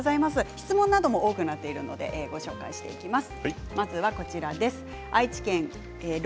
質問なども多くなっているのでご紹介していきます。